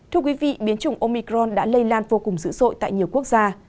thưa quý vị biến chủng omicron đã lây lan vô cùng dữ dội tại nhiều quốc gia